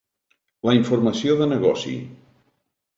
La informació de negoci.